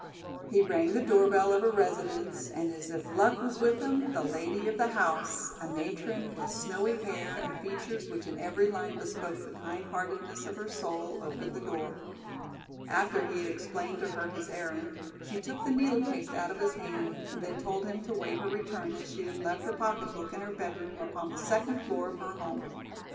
He rang the door bell of a residence, and as if luck was with him, the lady of the house, a matron with snowy hair and features which in every line bespoke the kind heartness of her soul, opened the door. After he had explained to her his errand, she took the needle case out of his hand and then told him to await her return as she had left her pocket book in her bed room upon the second floor of her home.